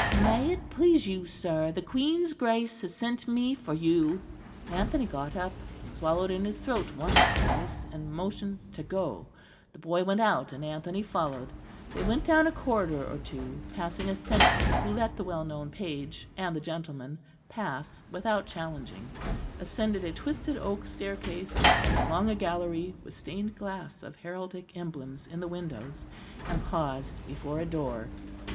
"May it please you, sir, the Queen's Grace has sent me for you." Anthony got up, swallowed in his throat once or twice, and motioned to go; the boy went out and Anthony followed. They went down a corridor or two, passing a sentry who let the well known page and the gentleman pass without challenging; ascended a twisted oak staircase, went along a gallery, with stained glass of heraldic emblems in the windows, and paused before a door.